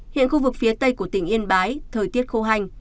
hiện khu vực phía tây của tỉnh yên bái thời tiết khô hành